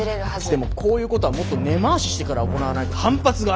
でもこういうことはもっと根回ししてから行わないと反発が。